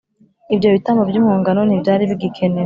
ibyo bitambo by impongano ntibyari bigikenewe.